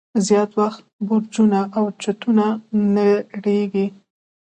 زیات وخت برجونه او چتونه نړیږي.